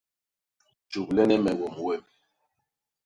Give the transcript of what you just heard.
Jublene me wom wem.